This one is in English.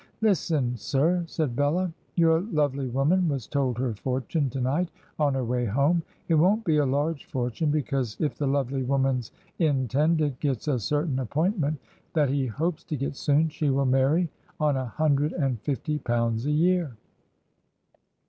'Listen, sir,' said Bella. 'Your lovely woman was told her fortune to night on her way home. It won't be a large fortune, because if the lovely woman's Intended gets a certain appointment that he hopes to get soon, she will marry on a hundred and fifty pounds a year.